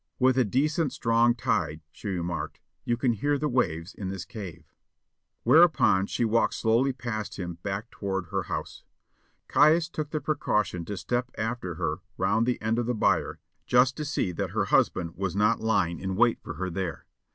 "With a decent strong tide," she remarked, "you can hear the waves in this cave." Whereupon she walked slowly past him back toward her house. Caius took the precaution to step after her round the end of the byre, just to see that her husband was not lying in wait for her there.